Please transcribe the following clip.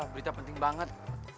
berita penting banget